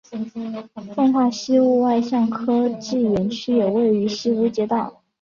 奉化西坞外向科技园区也位于西坞街道。